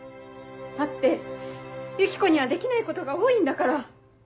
だってユキコにはできないことが多いんだから。